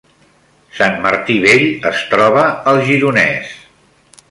Sant Martí Vell es troba al Gironès